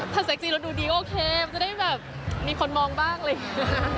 ถ้าเซ็กซี่เราดูดีโอเคมันจะได้แบบมีคนมองบ้างอะไรอย่างนี้